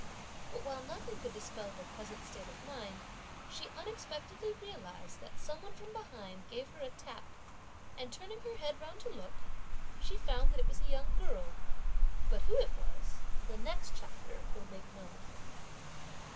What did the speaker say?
But while nothing could dispel her present state of mind, she unexpectedly realised that some one from behind gave her a tap; and, turning her head round to look, she found that it was a young girl; but who it was, the next chapter will make known.